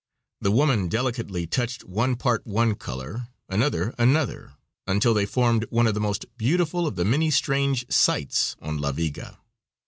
The woman delicately touched one part one color, another another, until they formed one of the most beautiful of the many strange sights on La Viga.